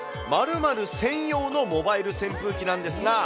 ○○専用のモバイル扇風機なんですが。